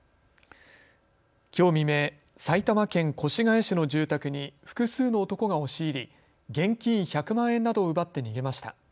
きょう未明、埼玉県越谷市の住宅に複数の男が押し入り、現金１００万円などを奪って逃げました。